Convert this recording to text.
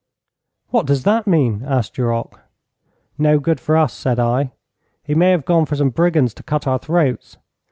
'What does that mean?' asked Duroc. 'No good for us,' said I. 'He may have gone for some brigands to cut our throats.